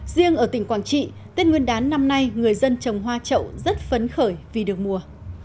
riêng ở tỉnh quảng trị tết nguyên đán năm nay người dân trồng hoa trậu rất phấn khởi vì được mùa